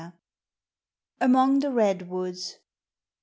AMONG THE REDWOODS.